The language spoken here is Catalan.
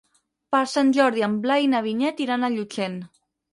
Per Sant Jordi en Blai i na Vinyet iran a Llutxent.